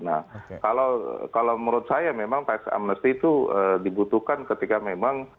nah kalau menurut saya memang tax amnesty itu dibutuhkan ketika memang